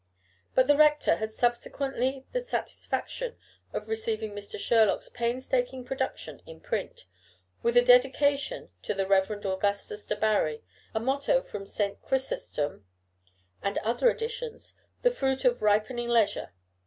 But the rector had subsequently the satisfaction of receiving Mr. Sherlock's painstaking production in print, with a dedication to the Reverend Augustus Debarry, a motto from St. Chrysostom, and other additions, the fruit of ripening leisure.